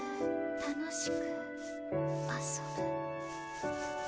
楽しく遊ぶ？